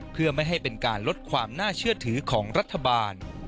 เพื่อไม่ให้เป็นการลดความน่าเชื่อถือของรัฐบาล